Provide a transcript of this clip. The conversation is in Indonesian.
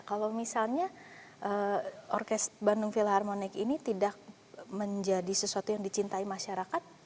kalau misalnya orkest bandung philharmonic ini tidak menjadi sesuatu yang dicintai masyarakat